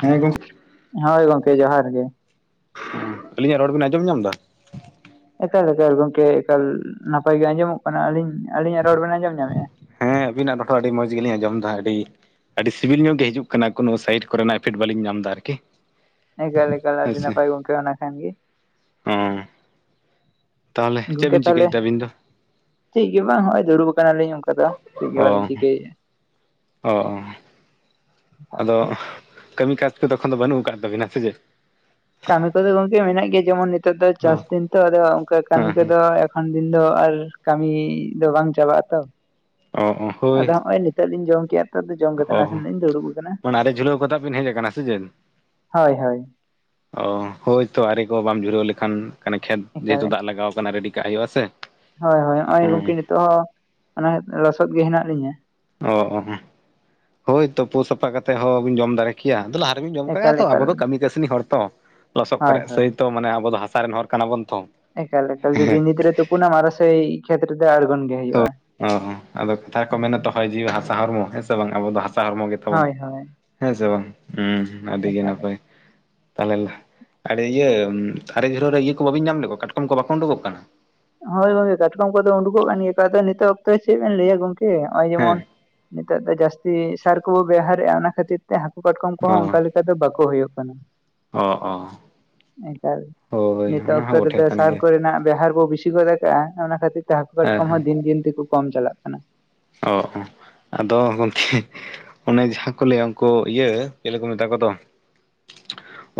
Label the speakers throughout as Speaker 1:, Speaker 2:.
Speaker 1: ᱦᱮᱸ ᱜᱚᱝ
Speaker 2: ᱦᱳᱭ ᱜᱚᱝᱠᱮ ᱡᱚᱦᱟᱨ ᱜᱮ,
Speaker 1: ᱟᱞᱤᱧᱟᱜ ᱨᱚᱲ ᱵᱤᱱ ᱟᱸᱡᱚᱢ ᱧᱟᱢ ᱫᱟ?
Speaker 2: ᱮᱠᱟᱞ ᱮᱠᱠᱟᱞ ᱮᱠᱟᱞ ᱜᱚᱝᱠᱮ ᱮᱠᱟᱞ ᱱᱟᱯᱟᱭ ᱜᱮ ᱟᱸᱡᱚᱢᱚᱜ ᱠᱟᱱᱟ, ᱟᱹᱞᱤᱧ ᱟᱹᱞᱤᱧᱟᱜ ᱨᱚᱲ ᱵᱮᱱ ᱟᱸᱡᱚᱢ ᱧᱟᱢᱮᱫᱼᱟ?
Speaker 1: ᱦᱮᱸ ᱟᱹᱵᱤᱱᱟᱜ ᱱᱚᱴᱚ ᱟᱹᱰᱤ ᱢᱚᱸᱡᱽ ᱜᱮᱞᱤᱧ ᱟᱸᱡᱚᱢ ᱮᱫᱟ ᱟᱹᱰᱤ᱾ ᱟᱹᱰᱤ ᱥᱤᱵᱤᱞ ᱧᱚᱜ ᱜᱮ ᱦᱤᱡᱩᱜ ᱠᱟᱱᱟ ᱠᱳᱱᱳ ᱥᱟᱭᱤᱴ ᱠᱚᱨᱮᱱᱟᱜ ᱤᱯᱷᱮᱠᱴ ᱵᱟᱟᱹᱞᱤᱧ ᱧᱟᱢ ᱮᱫᱟ ᱟᱨᱠᱤ᱾
Speaker 2: ᱮᱠᱟᱞᱮ ᱮᱠᱟᱞ
Speaker 1: ᱦᱮᱸ
Speaker 2: ᱟᱹᱰᱤ
Speaker 1: ᱥᱮ
Speaker 2: ᱱᱟᱯᱟᱭ ᱜᱚᱝᱠᱮ ᱚᱱᱟ ᱠᱷᱟᱱ ᱜᱮ᱾
Speaker 1: ᱚ ᱛᱟᱦᱚᱞᱮ ᱪᱮᱫ
Speaker 2: ᱜᱚᱢᱠᱮ
Speaker 1: ᱵᱤᱱ
Speaker 2: ᱛᱟᱦᱚᱞᱮ
Speaker 1: ᱪᱤᱠᱟᱹᱭᱮᱫᱟ ᱟᱹᱵᱤᱱ ᱫᱚ
Speaker 2: ᱪᱤᱜ ᱜᱮ ᱵᱟᱝ ᱦᱚᱜᱭ ᱫᱩᱲᱩᱵ ᱟᱠᱟᱱᱟᱞᱤᱧ᱾ ᱱᱤᱛᱚᱜ ᱫᱚ ᱪᱮᱫ ᱜᱮ ᱵᱟᱞᱤᱧ ᱪᱤᱠᱟᱹᱭᱼᱟ᱾
Speaker 1: ᱚ ᱚ᱾ ᱟᱫᱚ ᱠᱟᱹᱢᱤ ᱠᱟᱡᱽ ᱠᱚᱫᱚ ᱠᱷᱚᱱ ᱫᱚ ᱵᱟᱹᱱᱩᱜ ᱟᱠᱟᱜ ᱛᱟᱵᱤᱱᱟ ᱥᱮ ᱪᱮᱫ?
Speaker 2: ᱠᱟᱹᱢᱤ ᱠᱚᱫᱚ ᱜᱚᱝᱠᱮ ᱢᱮᱱᱟᱜ ᱜᱮᱭᱟ ᱡᱮᱢᱚᱱ ᱱᱤᱛᱚᱜ ᱫᱚ
Speaker 1: ᱚ
Speaker 2: ᱪᱟᱥ ᱫᱤᱱ ᱛᱚ ᱟᱫᱚ ᱚᱱᱠᱟ ᱠᱟᱹᱢᱤ
Speaker 1: ᱦᱮᱸ ᱦᱮᱸ
Speaker 2: ᱠᱚᱫᱚ᱾ ᱮᱚᱠᱷᱚᱱ ᱫᱤᱱ ᱫᱚ ᱟᱨ ᱠᱟᱹᱢᱤ ᱫᱚ ᱵᱟᱝ ᱪᱟᱵᱟᱜ ᱟᱛᱚ᱾
Speaker 1: ᱚ ᱚ
Speaker 2: ᱟᱫᱚ ᱦᱚᱸᱜᱼᱚᱭ ᱱᱤᱛᱳᱜ ᱞᱤᱧ ᱡᱚᱢ ᱠᱮᱫᱟ ᱾ ᱱᱤᱛᱚᱜ ᱫᱚ ᱡᱚᱢ ᱠᱟᱛᱮ
Speaker 1: ᱚ
Speaker 2: ᱱᱟᱥᱮ ᱤᱧ ᱫᱩᱲᱩᱵ ᱟᱠᱟᱱᱟ
Speaker 1: ᱢᱟᱱᱮ ᱟᱨᱮ ᱡᱷᱩᱞᱟᱹᱣ ᱠᱟᱛᱮᱫ ᱵᱤᱱ ᱦᱮᱡ ᱟᱠᱟᱱᱟ ᱥᱮ ᱪᱮᱫ
Speaker 2: ᱦᱳᱭ ᱦᱳᱭ᱾
Speaker 1: ᱚ ᱦᱳᱭ ᱛᱚ ᱟᱨᱨᱤ ᱠᱚ ᱵᱟᱢ ᱡᱷᱩᱨᱟᱹᱣ ᱞᱮᱠᱷᱟᱱᱮ ᱠᱷᱮᱛ
Speaker 2: ᱮᱠᱟᱞ
Speaker 1: ᱡᱮᱦᱮᱛᱩ ᱫᱟᱜ ᱞᱟᱜᱟᱣ ᱠᱟᱱᱟ ᱨᱮᱰᱤ ᱠᱟᱜ ᱦᱩᱭᱩᱜᱼᱟ ᱥᱮ᱾
Speaker 2: ᱦᱳᱭ ᱦᱳᱭ ᱱᱚᱜᱼᱚᱭ ᱜᱚᱝᱠᱮ
Speaker 1: ᱦᱮᱸ
Speaker 2: ᱱᱤᱛᱚᱜ ᱦᱚᱸ ᱚᱱᱟ ᱞᱚᱥᱚᱫ ᱜᱮ ᱦᱮᱱᱟᱜ ᱞᱤᱧᱟᱹ᱾
Speaker 1: ᱚ ᱚ ᱦᱳᱭ ᱛᱚᱯᱩ ᱥᱟᱯᱷᱟ ᱠᱟᱛᱮᱫ ᱦᱚᱸᱵᱤᱱ ᱡᱚᱢ ᱫᱟᱲᱮ- ᱭᱟ ᱟᱫᱚ ᱞᱟᱦᱟ ᱨᱮᱵ ᱡᱚᱢ
Speaker 2: ᱮᱠᱟᱞ
Speaker 1: ᱠᱟᱜᱮᱭᱟ ᱛᱚ ᱟᱵᱚ
Speaker 2: ᱮᱠᱟᱞ
Speaker 1: ᱫᱚ ᱠᱟᱹᱢᱤ ᱠᱟᱹᱥᱱᱤ ᱦᱚᱲ ᱛᱚ ᱞᱚᱥᱚᱫ
Speaker 2: ᱦᱳᱭ
Speaker 1: ᱠᱚᱨᱮ
Speaker 2: ᱦᱳᱭ
Speaker 1: ᱥᱟᱹᱭᱚ ᱢᱟᱱᱮ ᱟᱵᱚ ᱦᱟᱥᱟ ᱨᱮᱱ ᱦᱚᱲ᱾ ᱠᱟᱱᱟ ᱵᱚᱱ ᱛᱚ᱾
Speaker 2: ᱮᱠᱟᱞ ᱮᱠᱟᱞ ᱡᱫᱤ ᱱᱤᱛ ᱨᱮᱢ ᱛᱩᱯᱩ ᱱᱟᱢ ᱟᱨᱚ ᱥᱮᱭ ᱠᱷᱮᱛᱨᱮ ᱛᱮ ᱟᱲᱜᱩᱱ᱾
Speaker 1: ᱛᱚ ᱚ ᱦᱚᱸ ᱟᱫᱚ ᱠᱟᱛᱷᱟ ᱠᱚ ᱢᱮᱱᱟ ᱛᱚ ᱦᱚᱭ᱾ ᱡᱤᱣᱤ ᱦᱟᱥᱟ ᱦᱚᱲᱢᱚ ᱦᱮᱸ ᱥᱮ ᱵᱟᱝ ᱟᱵᱚ ᱫᱚ ᱦᱟᱥᱟ ᱦᱚᱲᱢᱚ ᱜᱮ ᱛᱟᱵᱚᱱ
Speaker 2: ᱦᱳᱭ ᱦᱳᱭ
Speaker 1: ᱦᱮᱸ ᱥᱮ ᱵᱟᱝ ᱩᱸ᱾ ᱟᱹᱰᱤ ᱜᱮ
Speaker 2: ᱮᱠᱟᱞ
Speaker 1: ᱱᱟᱯᱟᱭ᱾ ᱛᱟᱦᱚᱞᱮ ᱟᱹᱰᱤ ᱤᱭᱟᱹ ᱟᱨᱮ ᱡᱷᱩᱨᱟᱹ ᱨᱮ ᱤᱭᱟᱹ ᱠᱚ ᱵᱟᱹᱵᱤᱱ ᱧᱟᱢ ᱞᱮᱫ ᱠᱚᱣᱟ ᱠᱟᱴᱠᱚᱢ ᱠᱚ ᱵᱟᱠᱚ ᱩᱰᱩᱠᱚᱜ ᱠᱟᱱᱟ᱾
Speaker 2: ᱦᱳᱭ ᱜᱚᱝᱠᱮ ᱠᱟᱴᱠᱚᱢ ᱠᱚᱫᱚ ᱩᱰᱩᱠᱚᱜ ᱠᱟᱱ ᱜᱮᱭᱟ ᱠᱟᱛ ᱱᱤᱛᱚᱜ ᱚᱠᱛᱚᱭ ᱪᱮᱫ ᱵᱮᱱ ᱞᱟᱹᱭᱟ ᱜᱚᱝᱠᱮ ᱱᱚᱜᱼᱚᱭ
Speaker 1: ᱦᱮᱸ
Speaker 2: ᱡᱮᱢᱚᱱ- ᱱᱤᱛᱚᱜ ᱫᱚ ᱡᱟᱹᱥᱛᱤ ᱥᱟᱨ ᱠᱚᱵᱚ ᱵᱮᱣᱦᱟᱨᱮᱜᱼᱟ ᱚᱱᱟ ᱠᱷᱟᱹᱛᱤᱨ ᱛᱮ ᱦᱟᱹᱠᱩ ᱠᱟᱴᱠᱚᱢ ᱠᱚᱦᱚᱸ
Speaker 1: ᱚ
Speaker 2: ᱚᱱᱠᱟ᱾ ᱚᱝᱠᱚ ᱫᱚ ᱵᱟᱠᱚ ᱦᱩᱭᱩᱜ ᱠᱟᱱᱟ᱾
Speaker 1: ᱚ
Speaker 2: ᱮᱠᱟᱞ
Speaker 1: ᱚ ᱦᱳᱭ
Speaker 2: ᱱᱤᱛᱳᱜ
Speaker 1: ᱚᱱᱟ
Speaker 2: ᱚᱠᱛᱚ
Speaker 1: ᱦᱚᱸ ᱵᱚᱴᱷᱮ
Speaker 2: ᱨᱮᱫᱚ
Speaker 1: ᱠᱟᱱ
Speaker 2: ᱥᱟᱨ
Speaker 1: ᱜᱮᱭᱟ
Speaker 2: ᱠᱚᱨᱮᱱᱟᱜ ᱵᱮᱣᱦᱟᱨ ᱵᱤᱥᱤ᱾ ᱪᱤ ᱜᱚᱫ ᱠᱟᱜᱼᱟ ᱚᱱᱟ ᱠᱷᱟᱹᱛᱤᱨ ᱛᱮ ᱦᱟᱹᱠᱩ
Speaker 1: ᱦᱮᱸ
Speaker 2: ᱠᱟᱴᱠᱚᱢ
Speaker 1: ᱦᱮᱸ
Speaker 2: ᱦᱚᱸ ᱫᱤᱱ ᱫᱤᱱ ᱛᱮᱠᱚ ᱠᱚᱢ ᱪᱟᱞᱟᱜ ᱠᱟᱱᱟ᱾
Speaker 1: ᱚ ᱟᱫᱚ ᱜᱚᱢᱠᱮ᱾ ᱚᱱᱮ ᱡᱟᱦᱟᱸ ᱠᱚ ᱞᱟᱹᱭᱟ ᱩᱱᱠᱩ ᱤᱭᱟᱹ ᱪᱮᱞᱮ ᱠᱚ ᱢᱮᱛᱟ ᱠᱚᱫᱚ,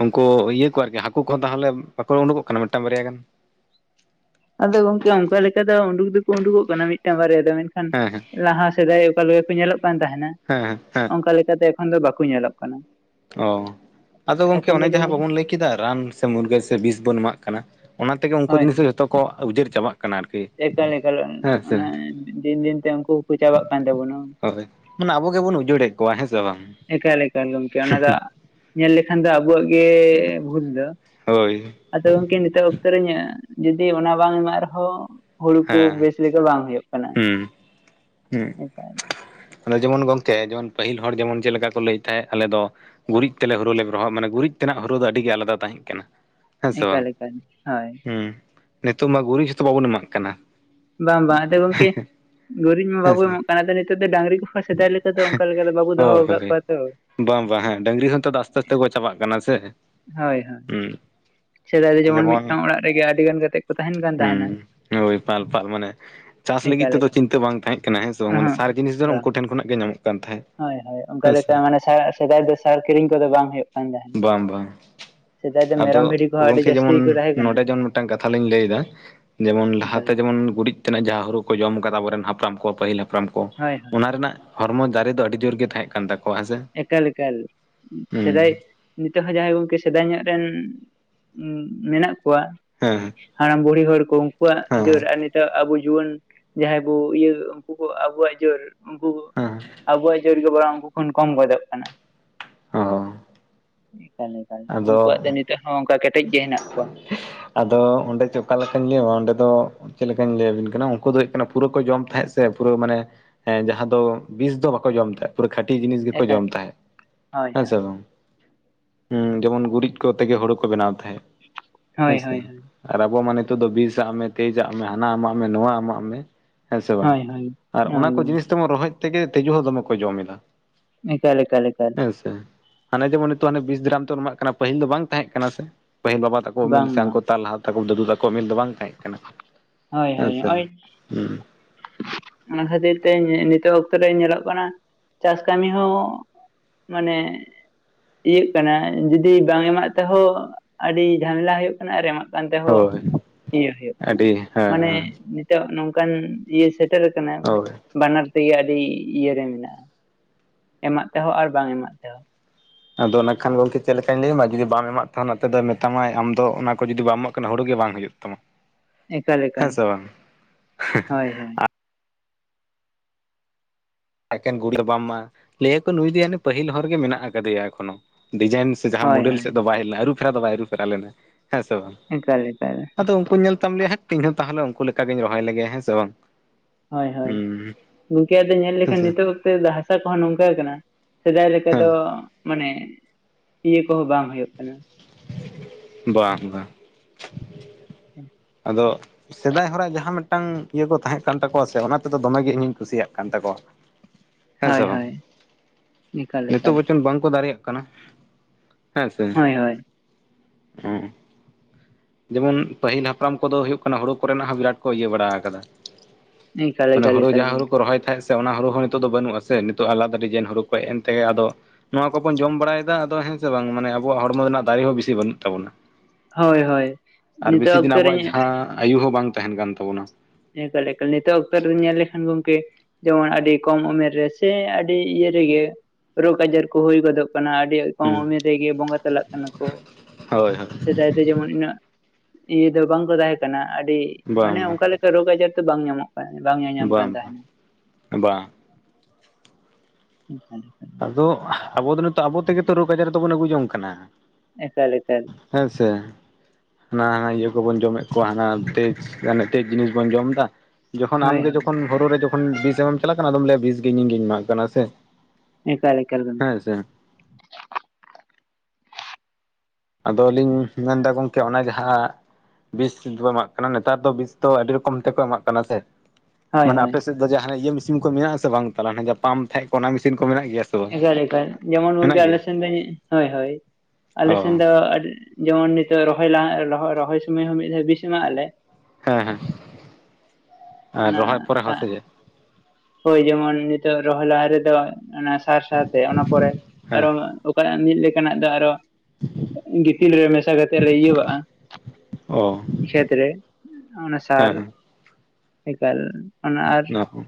Speaker 1: ᱩᱱᱠᱩ ᱤᱭᱟᱹ ᱠᱚ ᱟᱨᱠᱤ ᱦᱟᱹᱠᱩ ᱠᱚᱦᱚᱸ ᱛᱟᱦᱚᱞᱮ ᱵᱟᱠᱚ ᱩᱰᱠᱚᱜ ᱠᱟᱱᱟ ᱢᱤᱫᱴᱟᱝ ᱵᱟᱨᱭᱟ ᱜᱟᱱ?
Speaker 2: ᱟᱫᱚ ᱜᱚᱝᱠᱮ ᱚᱱᱠᱟ ᱞᱮᱠᱟ ᱫᱚ ᱩᱰᱩᱠ ᱫᱚᱠᱚ ᱩᱰᱩᱠᱚᱜ ᱠᱟᱱᱟ ᱢᱤᱫᱴᱟᱝ ᱵᱟᱨᱭᱟ ᱫᱚ ᱢᱮᱱᱠᱷᱟᱱ
Speaker 1: ᱦᱮᱸ ᱦᱮᱸ
Speaker 2: ᱞᱟᱦᱟ ᱥᱮᱫᱟᱭ, ᱚᱠᱟᱞᱣᱟᱹ ᱠᱚ ᱧᱮᱞᱚᱜ ᱠᱟᱱ ᱛᱟᱦᱮᱱᱟ᱾
Speaker 1: ᱦᱮᱸᱮᱸ ᱦᱮᱸ᱾
Speaker 2: ᱚᱱᱠᱟ ᱞᱮᱠᱟᱛᱮ ᱮᱠᱷᱚᱱ ᱫᱚ ᱵᱟᱠᱚ ᱧᱮᱞᱚᱜ ᱠᱟᱱᱟ᱾
Speaker 1: ᱚ ᱟᱫᱚ ᱜᱚᱝᱠᱮ
Speaker 2: ᱮᱠᱷᱚᱱ ᱫᱚ
Speaker 1: ᱚᱱᱮ ᱡᱟᱦᱟᱸ
Speaker 2: ᱡᱮᱢᱚᱱ
Speaker 1: ᱵᱟᱵᱚᱱ ᱞᱟᱹᱭ ᱠᱮᱫᱟ ᱨᱟᱱ ᱥᱮ ᱢᱩᱨᱜᱟᱹᱱ ᱥᱮ ᱵᱤᱥ ᱵᱚᱱ ᱮᱢᱟᱜ ᱠᱟᱱᱟ᱾ ᱚᱱᱟ ᱛᱮᱜᱮ ᱩᱱᱠᱩ
Speaker 2: ᱦᱳᱭ
Speaker 1: ᱡᱤᱱᱤᱥ ᱫᱚ ᱡᱷᱚᱛᱚ ᱠᱚ ᱩᱡᱟᱹᱨ ᱪᱟᱵᱟᱜ᱾ ᱠᱟᱱᱟ ᱟᱨᱠᱤ
Speaker 2: ᱮᱠᱟᱞ ᱮᱠᱟᱞ
Speaker 1: ᱦᱮᱸ ᱥᱮ
Speaker 2: ᱚᱱᱟ ᱫᱤᱱ ᱫᱤᱱ ᱛᱮ ᱩᱱᱠᱩ ᱠᱚ ᱪᱟᱵᱟᱜ ᱠᱟᱱ ᱛᱟᱵᱚᱱᱟ᱾
Speaker 1: ᱦᱳᱭ ᱢᱟᱱᱮ ᱟᱵᱚ ᱜᱮᱵᱚᱱ ᱩᱡᱟᱹᱲᱮᱫ ᱠᱚᱣᱟ ᱦᱮᱸ ᱥᱮ ᱵᱟᱝ?
Speaker 2: ᱮᱠᱟᱞ ᱮᱠᱟᱞ ᱜᱚᱢᱠᱮ ᱚᱱᱟᱫᱚ᱾ ᱧᱮᱞ ᱞᱮᱠᱷᱟᱱ ᱫᱚ ᱟᱵᱚᱣᱟᱜ ᱜᱮ ᱵᱷᱩᱞ ᱫᱚ᱾
Speaker 1: ᱦᱳᱭ
Speaker 2: ᱟᱫᱚ ᱜᱚᱢᱠᱮ ᱱᱤᱛᱚᱜ ᱚᱠᱛᱚᱨ ᱨᱤᱧ ᱡᱩᱫᱤ ᱚᱱᱟ ᱵᱟᱝ ᱮᱢᱟᱜ ᱨᱮᱦᱚᱸ᱾ ᱦᱩᱲᱩ ᱠᱚ
Speaker 1: ᱦᱮᱸ
Speaker 2: ᱵᱮᱥ ᱞᱮᱠᱟ ᱵᱟᱝ ᱦᱩᱭᱩᱜ ᱠᱟᱱᱟ᱾
Speaker 1: ᱦᱩᱸ ᱦᱩᱸ ᱡᱮᱢᱚᱱ ᱜᱚᱢᱠᱮ ᱡᱮᱢᱚᱱ ᱯᱟᱹᱦᱤᱞ ᱦᱚᱲ ᱡᱮᱢᱚᱱ ᱪᱮᱫ ᱞᱮᱠᱟ ᱠᱚ ᱞᱟᱹᱭᱮᱫ ᱛᱟᱦᱮᱸᱫ ᱟᱞᱮ ᱫᱚ᱾ ᱜᱩᱨᱤᱡ ᱛᱮᱞᱮ ᱦᱩᱲᱩ ᱞᱮ ᱨᱚᱦᱚ ᱢᱟᱱᱮ ᱜᱩᱨᱤᱡ ᱛᱮᱱᱟᱜ ᱦᱩᱲᱩ ᱫᱚ ᱟᱹᱰᱤᱜᱮ ᱟᱞᱟᱫᱟ ᱛᱟᱦᱮᱸ ᱠᱟᱱᱟ᱾ ᱦᱮᱸ ᱥᱮ
Speaker 2: ᱮᱠᱟᱞ
Speaker 1: ᱵᱟᱝ
Speaker 2: ᱮᱠᱟᱞ ᱦᱳᱭ
Speaker 1: ᱦᱩᱸ ᱱᱤᱛᱚᱜ ᱢᱟ ᱜᱩᱨᱤᱡ ᱡᱷᱚᱛᱚ ᱵᱟᱵᱚᱱ ᱮᱢᱟᱜ ᱠᱟᱱᱟ ᱾
Speaker 2: ᱵᱟᱝ ᱵᱟᱝ ᱟᱫᱚ ᱜᱚᱝᱠᱮ ᱜᱩᱨᱤᱡ ᱢᱟ
Speaker 1: ᱦᱮᱸ
Speaker 2: ᱵᱟᱵᱚ
Speaker 1: ᱥᱮ
Speaker 2: ᱮᱢᱚᱜ ᱠᱟᱱᱟ ᱟᱫᱚ ᱱᱤᱛᱚᱜ ᱫᱚ ᱰᱟᱝᱨᱤ ᱠᱚ ᱥᱮᱫᱟᱭ ᱞᱮᱠᱟ ᱫᱚ ᱚᱱᱠᱟ ᱞᱮᱠᱟ ᱫᱚ ᱵᱟᱵᱚ ᱫᱚᱦᱚ
Speaker 1: ᱦᱳᱭ
Speaker 2: ᱟᱠᱟᱫ
Speaker 1: ᱦᱳᱭ
Speaker 2: ᱠᱚᱣᱟ ᱛᱚ ᱾
Speaker 1: ᱵᱟᱝ ᱵᱟᱝ ᱦᱮᱸ ᱰᱟᱹᱝᱨᱤ ᱦᱚᱸᱛᱚ ᱫᱚ ᱟᱥᱛᱮ ᱟᱥᱛᱮ ᱠᱚ ᱪᱟᱵᱟᱜ ᱠᱟᱱᱟ ᱥᱮ ᱾
Speaker 2: ᱦᱳᱭ ᱦᱳᱭ ᱥᱮᱫᱟᱭ ᱫᱚ ᱡᱮᱢᱚᱱ ᱢᱤᱫᱴᱟᱝ ᱚᱲᱟᱜ ᱨᱮᱜᱮ ᱟᱹᱰᱤ ᱜᱟᱱ ᱠᱟᱛᱮᱫ ᱠᱚ ᱛᱟᱦᱮᱱ ᱠᱟᱱ ᱛᱟᱦᱮᱱᱟ ᱾
Speaker 1: ᱦᱩᱸ ᱦᱳᱭ ᱯᱟᱞ ᱯᱟᱞ ᱢᱟᱱᱮ ᱪᱟᱥ ᱞᱟᱹᱜᱤᱫ
Speaker 2: ᱮᱠᱟᱞ
Speaker 1: ᱛᱮᱫᱚ
Speaker 2: ᱮᱠᱟᱞ
Speaker 1: ᱪᱤᱱᱛᱟᱹ ᱵᱟᱝ ᱛᱟᱦᱮᱸ ᱠᱟᱱᱟ ᱦᱮᱸᱥᱮ ᱵᱟᱝ ᱢᱟᱱᱮ
Speaker 2: ᱚᱦᱚᱸᱜ
Speaker 1: ᱥᱟᱨᱟ ᱡᱤᱱᱤᱥ ᱫᱚ ᱱᱚᱝ
Speaker 2: ᱵᱟᱝ
Speaker 1: ᱠᱷᱚᱱᱟᱜ ᱜᱮ ᱧᱟᱢᱚᱜ ᱠᱟᱱ ᱛᱟᱦᱮᱸᱫ ᱾
Speaker 2: ᱦᱳᱭ ᱦᱳᱭ ᱚᱝᱠᱟ ᱞᱮᱠᱟ ᱢᱟᱱᱮ ᱥᱟᱨᱟᱜ ᱥᱮᱫᱟᱭ ᱫᱚ ᱥᱟᱨ ᱠᱤᱨᱤᱧ ᱠᱚᱫᱚ ᱵᱟᱝ ᱦᱩᱭᱩᱜ ᱠᱟᱱ ᱛᱟᱦᱮᱱᱟ ᱾
Speaker 1: ᱵᱟᱝ ᱵᱟᱝ ᱾ ᱟᱫᱚ
Speaker 2: ᱠᱚᱦᱚᱸ ᱟᱹᱰᱤ
Speaker 1: ᱜᱚᱝᱠᱮ
Speaker 2: ᱡᱟᱹᱥᱛᱤ
Speaker 1: ᱡᱮᱢᱚᱱ
Speaker 2: ᱜᱮᱠᱚ ᱛᱟᱦᱮᱸ ᱠᱟᱱᱟ
Speaker 1: ᱱᱚᱰᱮ ᱡᱮᱢᱚᱱ ᱢᱤᱫᱴᱟᱱ ᱠᱟᱛᱷᱟ ᱞᱤᱧ ᱞᱟᱹᱭᱫᱟ ᱾ ᱡᱮᱢᱚᱱ
Speaker 2: ᱮᱠᱟᱞ
Speaker 1: ᱞᱟᱦᱟᱛᱮ
Speaker 2: ᱮᱠᱟᱞ
Speaker 1: ᱡᱮᱢᱚᱱ ᱜᱩᱨᱤᱡ ᱛᱮᱱᱟᱜ ᱡᱟᱦᱟᱸ ᱦᱳᱨᱳ ᱠᱚ ᱡᱚᱢ ᱟᱠᱟᱫᱟ ᱟᱵᱚᱨᱮᱱ ᱦᱟᱯᱲᱟᱢ ᱠᱚ ᱯᱟᱹᱦᱤᱞ ᱦᱟᱯᱨᱟᱢ ᱠᱚ ᱾
Speaker 2: ᱦᱳᱭ ᱦᱳᱭ
Speaker 1: ᱚᱱᱟ ᱨᱮᱱᱟᱜ ᱦᱚᱨᱢᱚ ᱫᱟᱨᱮ ᱫᱚ ᱟᱹᱰᱤ ᱡᱳᱨ ᱜᱮ ᱛᱟᱦᱮᱸ ᱠᱟᱱ ᱛᱟ
Speaker 2: ᱮᱠᱟᱞ ᱮᱠᱟᱞ, ᱥᱮᱫᱟᱭ ᱱᱤᱛᱚᱜ ᱦᱚᱸ ᱡᱟᱦᱟᱸᱭ ᱜᱚᱝᱠᱮ ᱥᱮᱫᱟᱭ ᱧᱚᱜ ᱨᱮᱱ ᱢᱮᱱᱟᱜ ᱠᱚᱣᱟ,
Speaker 1: ᱦᱮᱸ
Speaker 2: ᱦᱟᱲᱟᱢ ᱵᱩᱲᱦᱤ ᱦᱚᱲ ᱠᱚ ᱩᱱᱠᱩᱣᱟᱜ
Speaker 1: ᱦᱮᱸ
Speaker 2: ᱡᱳᱨ
Speaker 1: ᱦᱮᱸ
Speaker 2: ᱟᱨ ᱱᱤ ᱛᱚᱜ ᱟᱵᱚ ᱡᱩᱣᱟᱹᱱ ᱡᱟᱦᱟᱸᱭ ᱵᱚ ᱤᱭᱟᱹ ᱩᱱᱠᱩ ᱠᱚ ᱟᱵᱚᱣᱟᱜ ᱡᱳᱨ ᱩᱱᱠᱩ
Speaker 1: ᱦᱮᱸ
Speaker 2: ᱟᱵᱚᱣᱟᱜ ᱡᱳᱨᱜᱮ ᱵᱚᱨᱚᱝ ᱩᱱᱠᱩ ᱠᱷᱚᱱ ᱠᱚᱢ ᱜᱚᱫᱚᱜ ᱠᱟᱱᱟ ᱾
Speaker 1: ᱦᱚᱸ ᱾
Speaker 2: ᱮᱠᱟᱞ ᱮᱠᱟᱞ ᱩᱱᱠᱩᱣᱟᱜ ᱫᱚ ᱱᱤᱛᱚᱜ ᱦᱚᱸ ᱚᱱᱠᱟ ᱠᱮᱴᱮᱡ ᱜᱮ ᱦᱮᱱᱟᱜ ᱠᱚᱣᱟ ᱾
Speaker 1: ᱟᱫᱚ ᱚᱸᱰᱮ ᱪᱚᱠᱟ ᱞᱮᱠᱟᱧ ᱞᱟᱹᱭᱟᱹᱢᱟ ᱚᱸᱰᱮ ᱫᱚ ᱪᱮᱫ ᱞᱮᱠᱟᱧ ᱞᱟᱹᱭᱟᱵᱤᱱ ᱠᱟᱱᱟ ᱩᱱᱠᱩ ᱫᱚ ᱦᱩᱭᱩᱜ ᱠᱟᱱᱟ ᱯᱩᱨᱟᱹ ᱠᱚ ᱡᱚᱢ ᱛᱟᱦᱮᱸᱫ ᱥᱮ ᱯᱩᱨᱟᱹ ᱢᱟᱱᱮ ᱦᱮᱸ ᱡᱟᱦᱟᱸ ᱫᱚ ᱵᱤᱥ ᱫᱚ ᱵᱟᱠᱚ ᱡᱚᱢ ᱛᱟᱦᱮᱸᱜ ᱾ ᱯᱩᱨᱟᱹ ᱠᱷᱟᱹᱴᱤ ᱡᱤᱱᱤᱥ ᱜᱮᱠᱚ
Speaker 2: ᱮᱠᱟᱞ
Speaker 1: ᱡᱚᱢ ᱛᱟᱦᱮᱸᱜ
Speaker 2: ᱦᱳᱭ
Speaker 1: ᱦᱮᱸ ᱥᱮ
Speaker 2: ᱦᱳᱭ
Speaker 1: ᱵᱟᱝ! ᱦᱩᱸ ᱡᱮᱢᱚᱱ ᱜᱩᱨᱤᱡ ᱠᱚᱛᱮᱜᱮ ᱦᱩᱲᱩ ᱠᱚ ᱵᱮᱱᱟᱣ ᱛᱟᱦᱮᱸᱫ ᱾
Speaker 2: ᱦᱳᱭ
Speaker 1: ᱦᱮᱸᱥᱮ,
Speaker 2: ᱦᱳᱭ
Speaker 1: ᱟᱨ ᱟᱵᱚ ᱢᱟ ᱱᱤᱛᱚᱜ ᱫᱚ ᱵᱤᱥᱟᱜ ᱢᱮ ᱛᱮᱡ ᱟᱜ ᱢᱮ ᱦᱟᱱᱟ ᱮᱢᱟᱜ ᱢᱮ ᱱᱚᱣᱟ ᱮᱢᱟᱜ ᱢᱮ ᱾ ᱦᱮᱸ ᱥᱮ ᱵᱟᱝ!
Speaker 2: ᱦᱳᱭ ᱦᱳᱭ
Speaker 1: ᱟᱨ ᱚᱱᱟ
Speaker 2: ᱦᱳᱭ
Speaker 1: ᱠᱚ
Speaker 2: ᱜᱚᱝᱠᱮ
Speaker 1: ᱡᱤᱱᱤᱥ ᱛᱮᱢᱚᱱ ᱨᱚᱦᱚᱡ ᱛᱮᱜᱮ ᱛᱮᱡᱳ ᱦᱚᱸ ᱫᱚᱢᱮ ᱠᱚ ᱡᱚᱢ ᱮᱫᱟ ᱾
Speaker 2: ᱮᱠᱟᱞ ᱮᱠᱟᱞ ᱮᱠᱟᱞ ᱾
Speaker 1: ᱦᱮᱸ ᱥᱮ, ᱦᱟᱱᱮ ᱡᱮᱢᱚᱱ ᱱᱤᱛᱚᱜ ᱦᱟᱱᱮ ᱵᱤᱥ ᱫᱨᱟᱢ ᱛᱮᱵᱚᱱ ᱮᱢᱟᱜ ᱠᱟᱱᱟ ᱯᱟᱹᱦᱤᱞ ᱫᱚ ᱵᱟᱝ ᱛᱟᱦᱮᱸᱜ ᱠᱟᱱᱟ ᱥᱮ! ᱯᱟᱹᱦᱤᱞ ᱵᱟᱵᱟ ᱛᱟ ᱠᱚ ᱩᱢᱮᱞ
Speaker 2: ᱵᱟᱝ
Speaker 1: ᱥᱮ
Speaker 2: ᱵᱟᱝ
Speaker 1: ᱦᱟᱝᱠᱳ ᱛᱟᱨ ᱞᱟᱦᱟ ᱛᱟᱠᱚ ᱫᱟᱫᱩ ᱛᱟᱠᱚ ᱩᱢᱮᱞ ᱫᱚ ᱵᱟᱝ ᱛᱟᱦᱮᱸᱜ ᱠᱟᱱᱟ
Speaker 2: ᱦᱳᱭ ᱦᱳᱭ
Speaker 1: ᱦᱮᱸᱥᱮ
Speaker 2: ᱱᱚᱜᱼᱚᱭ
Speaker 1: ᱦᱩᱸ ᱾
Speaker 2: ᱚᱱᱟ ᱠᱷᱟᱹᱛᱤᱨ ᱛᱮ ᱧᱤ-ᱱᱤᱛᱳᱜ ᱚᱠᱛᱚ ᱨᱮ ᱧᱮᱞᱚᱜ ᱠᱟᱱᱟ ᱪᱟᱥ ᱠᱟᱹᱢᱤ ᱦᱚᱸ ᱢᱟᱱᱮ ᱤᱭᱟᱹᱜ ᱠᱟᱱᱟ ᱡᱩᱫᱤ ᱵᱟᱝ ᱮᱢᱟᱜ ᱛᱮᱦᱚᱸ ᱟᱹᱰᱤ ᱡᱷᱟᱢᱮᱞᱟ ᱦᱩᱭᱩᱜ ᱠᱟᱱᱟ ᱟᱨ ᱮᱢᱟᱜ ᱠᱟᱱ ᱛᱮᱦᱚᱸ
Speaker 1: ᱦᱳᱭ
Speaker 2: ᱤᱭᱟᱹ ᱦᱩᱭᱩᱜ ᱠᱟᱱᱟ,
Speaker 1: ᱟᱹᱰᱤ ᱦᱮᱸ
Speaker 2: ᱢᱟᱱᱮ
Speaker 1: ᱦᱮᱸ
Speaker 2: ᱱᱤᱛᱚᱜ ᱱᱚᱝᱠᱟᱱ ᱤᱭᱟᱹ ᱥᱮᱴᱮᱨ ᱟᱠᱟᱱᱟ
Speaker 1: ᱦᱳᱭ
Speaker 2: ᱾ ᱵᱟᱱᱟᱨ ᱛᱮᱜᱮ ᱟᱹᱰᱤ ᱤᱭᱟᱹ ᱨᱮ ᱢᱮᱱᱟᱜᱼᱟ ᱮᱢᱟᱜ ᱛᱮᱦᱚᱸ ᱟᱨ ᱵᱟᱝ ᱮᱢᱟᱜ ᱛᱮᱦᱚᱸ ᱾
Speaker 1: ᱟᱫᱚ ᱱᱟᱜ ᱠᱷᱟᱱ ᱜᱚᱝᱠᱮ ᱪᱮᱫ ᱞᱮᱠᱟᱧ ᱞᱟᱹᱭᱟᱢᱟ ᱡᱩᱫᱤ ᱵᱟᱢ ᱮᱢᱟᱜ ᱛᱮᱦᱚ ᱱᱟᱛᱮ ᱫᱚᱭ ᱢᱮᱛᱟᱢᱟᱭ ᱟᱢ ᱫᱚ ᱚᱱᱟ ᱠᱚ ᱡᱩᱫᱤ ᱵᱟᱢ ᱮᱢᱟᱜ ᱠᱟᱱᱟ ᱦᱩᱲᱩ ᱜᱮ ᱵᱟᱝ ᱦᱩᱭᱩᱜ ᱛᱟᱢᱟ,
Speaker 2: ᱮᱠᱟᱞ
Speaker 1: ᱦᱮᱸ
Speaker 2: ᱮᱠᱟᱞ
Speaker 1: ᱥᱮ ᱵᱟᱝ!
Speaker 2: ᱦᱳᱭ ᱦᱳᱭ
Speaker 1: ᱮᱠᱮᱱ [inaudible] ᱦᱚᱸ ᱵᱟᱢ ᱮᱢᱟᱜᱼᱟ ᱞᱟᱹᱭᱟᱠᱚ ᱱᱩᱭ ᱫᱚᱭᱟ ᱦᱟᱹᱱᱤ ᱯᱟᱹᱦᱤᱞ ᱦᱚᱨ ᱜᱮ ᱢᱮᱱᱟᱜ ᱟᱠᱟᱫᱮᱭᱟ ᱮᱠᱷᱚᱱᱳ, ᱰᱤᱡᱟᱭᱤᱱ ᱥᱮ ᱡᱟᱦᱟᱸ
Speaker 2: ᱦᱳᱭ
Speaker 1: ᱢᱚᱰᱮᱞ
Speaker 2: ᱦᱳᱭ
Speaker 1: ᱥᱮᱫ ᱫᱚ ᱵᱟᱭ ᱦᱮᱡ ᱞᱮᱱᱟ ᱟᱹᱨᱩ ᱯᱷᱮᱨᱟ ᱫᱚ ᱵᱟᱭ ᱟᱹᱨᱩᱯᱷᱮᱨᱟ ᱞᱮᱱᱟ ᱦᱮᱸ ᱥᱮ ᱵᱟᱝ!
Speaker 2: ᱮᱠᱟᱞ ᱮᱠᱟᱞ ᱾
Speaker 1: ᱩᱱᱠᱚ ᱧᱮᱞ ᱛᱟᱢ ᱞᱮᱭᱟ ᱦᱟᱴ ᱤᱧᱦᱚᱸ ᱛᱟᱦᱚᱞᱮ ᱩᱱᱠᱩ ᱞᱮᱠᱟ ᱜᱤᱧ ᱨᱚᱦᱚᱭ ᱞᱮᱜᱮ ᱦᱮᱸ ᱥᱮ ᱵᱟᱝ!
Speaker 2: ᱦᱳᱭ ᱦᱳᱭ
Speaker 1: ᱦᱩᱸ
Speaker 2: ᱜᱚᱝᱠᱮ ᱟᱫᱚ ᱧᱮᱞ ᱞᱮᱠᱷᱟᱱ
Speaker 1: ᱦᱮᱸᱥᱮ
Speaker 2: ᱱᱤᱛᱚᱜ ᱚᱠᱛᱮ ᱫᱚ ᱦᱟᱥᱟ ᱠᱚᱦᱚᱸ ᱱᱚᱝᱠᱟ ᱠᱟᱱᱟ, ᱥᱮᱫᱟᱭ ᱞᱮᱠᱟ
Speaker 1: ᱦᱮᱸ
Speaker 2: ᱫᱚ ᱢᱟᱱᱮ ᱤᱭᱟᱹ ᱠᱚᱦᱚᱸ ᱵᱟᱝ ᱦᱩᱭᱩᱜ ᱠᱟᱱᱟ ᱾
Speaker 1: ᱵᱟᱝ ᱵᱟ ᱾
Speaker 2: ᱦᱮ
Speaker 1: ᱟᱫᱚ ᱥᱮᱫᱟᱭ ᱦᱚᱲᱟᱜ ᱡᱟᱦᱟᱸ ᱢᱤᱜᱴᱟᱝ ᱤᱭᱟᱹ ᱠᱚ ᱛᱟᱦᱮᱜ ᱠᱟᱱ ᱛᱟᱠᱚᱣᱟ ᱥᱮ ᱚᱱᱟ ᱛᱮᱫᱚ ᱫᱚᱢᱮ ᱜᱮ ᱤᱧᱤᱧ ᱠᱩᱥᱤᱭᱟᱜ ᱠᱟᱱ ᱛᱟᱠᱚᱣᱟ᱾
Speaker 2: [inaudible]
Speaker 1: ᱦᱮᱸ ᱥᱮ ᱵᱟᱝ
Speaker 2: ᱦᱳᱭ ᱮᱠᱟᱞ
Speaker 1: ᱱᱤᱛᱚᱜ
Speaker 2: ᱮᱠᱟᱞ
Speaker 1: ᱵᱚᱪᱚᱱ ᱵᱟᱝᱠᱚ ᱫᱟᱨᱮᱭᱟᱜ ᱠᱟᱱᱟ ᱦᱮᱸ ᱥᱮ
Speaker 2: ᱦᱳᱭ ᱦᱳᱭ
Speaker 1: ᱩᱸ᱾ ᱡᱮᱢᱚᱱ ᱯᱟᱹᱦᱤᱞ ᱦᱟᱯᱲᱟᱢ ᱠᱚᱫᱚ ᱦᱳᱭᱳᱜ ᱠᱟᱱᱟ ᱦᱳᱲᱳ ᱠᱚᱨᱮᱱᱟᱜ ᱦᱚᱸ ᱵᱤᱨᱟᱴ ᱠᱚ ᱤᱭᱟᱹ ᱵᱟᱲᱟ ᱟᱠᱟᱫᱟ᱾
Speaker 2: ᱮᱠᱟᱞ
Speaker 1: ᱢᱟᱱᱮ
Speaker 2: ᱮᱠᱟᱞ
Speaker 1: ᱦᱩᱲᱩ
Speaker 2: ᱮᱠᱟᱞ
Speaker 1: ᱡᱟ ᱦᱩᱲᱩ
Speaker 2: ᱜᱚᱝᱠᱮ
Speaker 1: ᱠᱚ ᱨᱚᱦᱚᱭ ᱛᱟᱦᱮᱜ ᱥᱮ ᱚᱱᱟ ᱦᱩᱲᱩ ᱦᱚᱸ ᱱᱤᱛᱚᱜ ᱫᱚ ᱵᱟᱹᱱᱩᱜ-ᱟ ᱥᱮ ᱱᱤᱛᱚᱜ ᱟᱞᱟᱫᱟ ᱰᱤᱡᱟᱭᱤᱱ ᱦᱩᱲᱩ ᱠᱚ ᱮᱢᱛᱮ ᱟᱫᱚ ᱱᱚᱣᱟ ᱠᱚᱵᱚᱱ ᱡᱚᱢ ᱵᱟᱲᱟᱭᱮᱫᱟ ᱟᱫᱚ ᱦᱮᱸᱥᱮ ᱵᱟᱝ ᱢᱟᱱᱮ ᱟᱵᱚᱣᱟᱜ ᱦᱚᱲᱢᱚ ᱨᱮᱱᱟᱜ ᱫᱟᱨᱮ ᱦᱚᱸ ᱵᱤᱥᱤ ᱵᱟᱹᱱᱩᱜ ᱛᱟᱵᱚᱱᱟ᱾
Speaker 2: ᱦᱳᱭ ᱦᱳᱭ
Speaker 1: ᱟᱨ ᱵᱮᱥᱤ
Speaker 2: ᱱᱤᱛᱚᱜ
Speaker 1: ᱫᱤᱱ
Speaker 2: ᱚᱠᱛᱚ ᱨᱮ
Speaker 1: ᱟᱵᱚᱣᱟᱜ ᱪᱷᱟ ᱟᱭᱩ ᱦᱚᱸ ᱵᱟᱝ ᱛᱟᱦᱮᱱ ᱠᱟᱱ ᱛᱟᱵᱚᱱᱟ᱾
Speaker 2: ᱮᱞ ᱠᱟᱞᱮ ᱱᱤᱛᱚᱜ ᱚᱠᱛᱚ ᱨᱤ ᱧᱮᱞ ᱞᱮᱠᱷᱟᱱ ᱜᱚᱝᱠᱮ ᱡᱮᱢᱚᱱ ᱟᱹᱰᱤ ᱠᱚᱢ ᱩᱢᱮᱨ ᱨᱮ ᱥᱮ ᱟᱹᱰᱤ ᱤᱭᱟᱹ ᱨᱮᱜᱮ ᱨᱳᱜᱽ ᱟᱡᱟᱨ ᱠᱚ ᱦᱩᱭ ᱜᱚᱫᱚᱜ ᱠᱟᱱᱟ ᱟᱹᱰᱤ ᱯᱚ
Speaker 1: ᱦᱩᱸ
Speaker 2: ᱱᱮᱫᱮᱜᱮ ᱵᱚᱝᱜᱟ ᱛᱟᱞᱟᱜ ᱠᱟᱱᱟ ᱠᱚ
Speaker 1: ᱦᱳᱭ ᱦᱳᱭ
Speaker 2: ᱥᱮᱫᱟᱭ ᱫᱚ ᱡᱮᱢᱚᱱ ᱤᱱᱟᱹᱜ ᱤᱭᱟᱹ ᱫᱚ ᱵᱟᱝᱠᱚ ᱛᱟᱦᱮᱸ ᱠᱟᱱᱟ ᱟᱹᱰᱤ ᱢᱟᱱᱮ
Speaker 1: ᱵᱟᱝ ᱵᱟᱝ
Speaker 2: ᱚᱱᱠᱟ ᱞᱮᱠᱟ ᱨᱳᱜᱽ ᱟᱡᱟᱨ ᱫᱚ ᱵᱟᱝ ᱧᱟᱢᱚᱜ ᱠᱟᱱᱟ᱾
Speaker 1: ᱵᱟᱝ ᱵᱟᱝ᱾
Speaker 2: [inaudible]
Speaker 1: ᱟᱫᱚ ᱟᱵᱚ ᱫᱚ ᱱᱤᱛᱚᱜ ᱟᱵᱚ ᱛᱮᱜᱮ ᱛᱚ ᱨᱳᱜᱽ ᱟᱡᱟᱨ ᱫᱚᱵᱚᱱ ᱟᱹᱜᱩ ᱡᱚᱝ ᱠᱟᱱᱟ᱾
Speaker 2: ᱮᱠᱟᱞ ᱮᱠᱟᱞ᱾
Speaker 1: ᱦᱮᱸ ᱥᱮ᱾ ᱦᱟᱱᱟ ᱤᱭᱟᱹ ᱠᱚᱵᱚᱱ ᱡᱚᱢᱮᱫ ᱠᱚᱣᱟ ᱦᱟᱱᱟ ᱛᱮᱠᱥ ᱠᱷᱟᱱᱮ ᱪᱮᱫ ᱡᱤᱱᱤᱥ ᱵᱚᱱ ᱡᱚᱢ ᱫᱟ ᱡᱚᱠᱷᱚᱱ
Speaker 2: ᱦᱳᱭ
Speaker 1: ᱟᱢᱜᱮ
Speaker 2: ᱦᱳᱭ
Speaker 1: ᱡᱚᱠᱷᱚᱱ ᱦᱚᱨᱚ ᱨᱮ ᱡᱚᱠᱷᱚᱱ ᱵᱤᱥᱮ ᱮᱢᱮᱢ ᱪᱟᱞᱟᱜ ᱠᱟᱱᱟ ᱟᱫᱚᱢ ᱞᱟᱹᱭᱟ ᱵᱤᱥ ᱜᱮ ᱤᱧ ᱜᱮᱧ ᱮᱢᱟᱜ ᱠᱟᱱᱟ ᱥᱮ᱾
Speaker 2: ᱮᱠᱟᱞ ᱮᱠᱟᱞ᱾ ᱜᱚᱢᱠᱮ
Speaker 1: ᱦᱮᱸ ᱥᱮ ᱟᱫᱚ ᱞᱤᱧ ᱢᱮᱱᱫᱟ ᱜᱚᱢᱠᱮ ᱚᱱᱟ ᱡᱟᱦᱟᱸ ᱵᱤᱥ ᱠᱚ ᱮᱢᱟᱜ ᱠᱟᱱᱟ ᱱᱮᱛᱟᱨ ᱫᱚ ᱵᱤᱥ ᱫᱚ ᱟᱹᱰᱤ ᱨᱚᱠᱚᱢ ᱛᱮᱠᱚ ᱮᱢᱟᱜ ᱠᱟᱱᱟ ᱥᱮ᱾
Speaker 2: ᱦᱳᱭ
Speaker 1: ᱢᱟᱱᱮ
Speaker 2: ᱦᱳᱭ
Speaker 1: ᱟᱯᱮ ᱥᱮᱜ ᱫᱚ ᱡᱟᱦᱟᱭ ᱤᱭᱟᱹ ᱢᱮᱥᱤᱱ ᱠᱚ ᱢᱮᱱᱟᱜ ᱟᱥᱮ ᱵᱟᱝ ᱛᱟᱞᱟ ᱚᱱᱮ ᱡᱮ ᱯᱟᱢ ᱛᱟᱦᱮᱸ ᱠᱚᱜ ᱚᱱᱟ ᱢᱮᱥᱤᱱ ᱠᱚ ᱢᱮᱱᱟᱜ ᱜᱮᱭᱟ᱾ ᱥᱮ ᱵᱟᱝ
Speaker 2: ᱮᱠᱟᱞ ᱮᱠᱟᱞ ᱡᱮᱢᱚᱱ ᱜᱚᱝᱠᱮ
Speaker 1: ᱢᱮᱱᱟᱜ
Speaker 2: ᱟᱞᱮ
Speaker 1: ᱜᱮᱭᱟ
Speaker 2: ᱥᱮᱱ ᱫᱚ ᱤᱧᱤᱜ ᱦᱳᱭ ᱦᱳᱭ
Speaker 1: ᱚ
Speaker 2: ᱟᱞᱮ ᱥᱮᱱ ᱫᱚ ᱡᱮᱢᱚᱱ ᱱᱤᱛᱚᱜ ᱨᱚᱦᱚᱭ ᱞᱟᱦᱟ ᱨᱚᱦᱚᱭ ᱨᱚᱦᱚᱭ ᱥᱳᱢᱚᱭ ᱦᱚᱸ ᱢᱤᱫ ᱫᱷᱟᱣ ᱵᱤᱥ ᱮᱢᱟᱜ ᱟᱞᱮ
Speaker 1: ᱦᱮᱸ ᱦᱮᱸ᱾ ᱟᱨ
Speaker 2: ᱚᱱᱟ
Speaker 1: ᱨᱚᱦᱚᱭ ᱯᱚᱨᱮ ᱦᱚᱸ ᱥᱮ
Speaker 2: ᱫᱟᱜ
Speaker 1: ᱪᱮᱫ
Speaker 2: ᱦᱳᱭ ᱡᱮᱢᱚᱱ ᱱᱤᱛᱚᱜ ᱨᱚᱦᱚᱭ ᱞᱟᱦᱟ ᱨᱮᱫᱚ ᱚᱱᱟ ᱥᱟᱨ ᱥᱟᱶᱛᱮ ᱚᱱᱟ ᱯᱚᱨᱮ
Speaker 1: ᱦᱮᱸ
Speaker 2: ᱟᱨᱚ ᱚᱠᱟᱱᱟᱜ ᱢᱤᱫ ᱞᱮᱠᱟᱱᱟᱜ ᱫᱚ ᱟᱨᱚ ᱜᱤᱛᱤᱞ ᱨᱮ ᱢᱮᱥᱟ ᱠᱟᱛᱮᱜ ᱞᱮ ᱤᱭᱟᱹ ᱣᱟᱜᱟ
Speaker 1: ᱚ
Speaker 2: ᱠᱷᱮᱛ ᱨᱮ ᱚᱱᱟ ᱥᱟᱨ
Speaker 1: ᱦᱮᱸ ᱦᱮᱸ
Speaker 2: ᱮᱠᱟᱞ ᱚᱱᱟ ᱟᱨ
Speaker 1: ᱦᱳᱭ